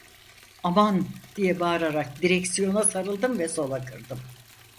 Aman! diye bağırarak direksiyona sarıldım ve sola kırdım…